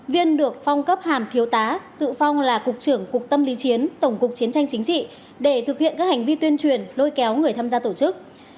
viên được phong cấp hàm thiếu tá tự phong là cục trưởng cục tâm lý chiến tổng cục chiến tranh chính trị để thực hiện các hành vi tuyên truyền lôi kéo người tham gia tổ chức